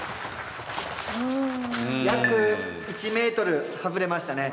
約１ｍ外れましたね。